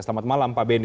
selamat malam pak benny